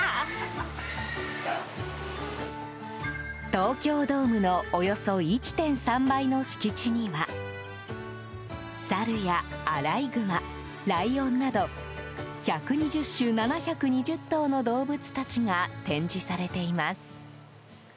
東京ドームのおよそ１．３倍の敷地にはサルやアライグマ、ライオンなど１２０種７２０頭の動物たちが展示されています。